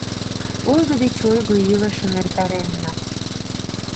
Ойго деч ойго илышым эртаренна.